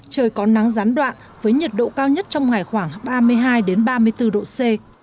trời có nắng gián đoạn với nhiệt độ cao nhất trong ngày khoảng ba mươi hai ba mươi bốn độ c